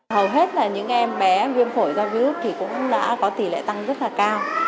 hầu hết là những em bé viêm phổi do virus thì cũng đã có tỷ lệ tăng rất là cao